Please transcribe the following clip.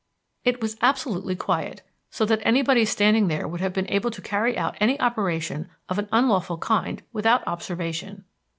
It was absolutely quiet, so that anybody standing there would have been able to carry out any operation of an unlawful kind without observation.